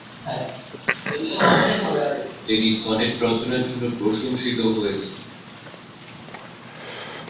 তিনি সনেট রচনার জন্য প্রশংসিত হয়েছেন।